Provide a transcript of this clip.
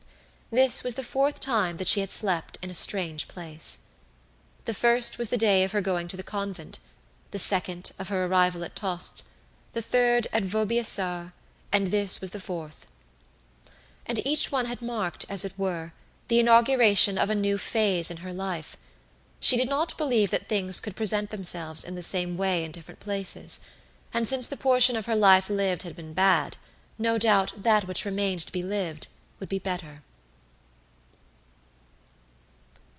This was the fourth time that she had slept in a strange place. The first was the day of her going to the convent; the second, of her arrival at Tostes; the third, at Vaubyessard; and this was the fourth. And each one had marked, as it were, the inauguration of a new phase in her life. She did not believe that things could present themselves in the same way in different places, and since the portion of her life lived had been bad, no doubt that which remained to be lived would be better.